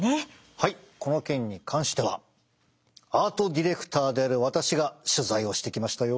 はいこの件に関してはアートディレクターである私が取材をしてきましたよ。